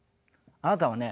あなたはね